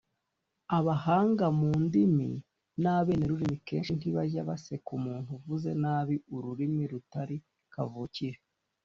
Abahanga mu ndimi n’abene rurimi kenshi ntibajya baseka umuntu uvuze nabi ururimi rutari kavukire